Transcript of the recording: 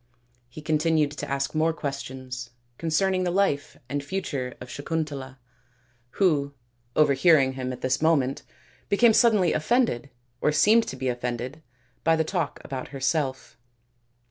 He continued to ask more questions concerning the life and future of Sakuntala, who, overhearing him at this moment, became suddenly offended, or seemed to be offended, by the talk about herself.